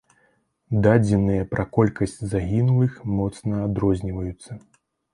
Дадзеныя пра колькасць загінулых моцна адрозніваюцца.